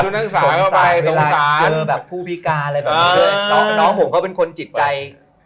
สงสารเวลาเจอผู้พิการน้องผมก็เป็นคนจิตใจ